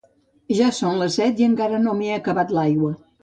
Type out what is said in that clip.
Ja són les set i encara no m'he acabat l'aigua